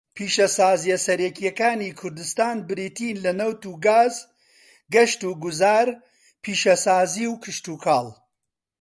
پیشەسازییە سەرەکییەکانی کوردستان بریتین لە نەوت و گاز، گەشتوگوزار، پیشەسازی، و کشتوکاڵ.